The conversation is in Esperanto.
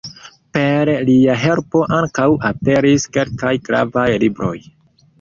Per lia helpo ankaŭ aperis kelkaj gravaj libroj.